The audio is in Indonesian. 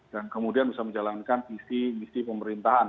dan kemudian bisa menjalankan visi visi pemerintahan